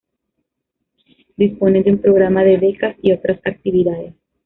Dispone de un programa de becas y otras actividades.